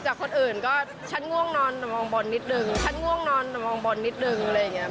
จากคนอื่นก็ชั้นง่วงนอนแล้วมองบหนิดหนึ่ง